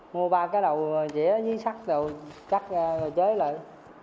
mua ba cái đầu chế dưới sắt rồi chắc chế lại